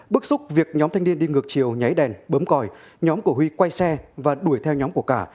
bức xúc việc nhóm thanh niên đi ngược chiều nháy đèn bấm còi nhóm của huy quay xe và đuổi theo nhóm của cả